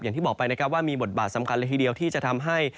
อย่างที่บอกไปนะครับว่ามีบทบาทสำคัญเลยทีเดียวที่จะทำให้